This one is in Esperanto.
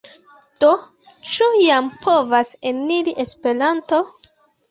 Do, ĉu jam povas eniri Esperanto?